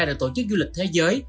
để tổ chức du lịch thế giới